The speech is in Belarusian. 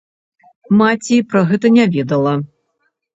Маці пра гэта не ведала.